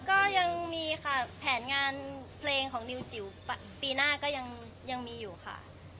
ก็ยังมีค่ะแผนงานเพลงของนิวจิ๋วปีหน้าก็ยังมีอยู่ค่ะ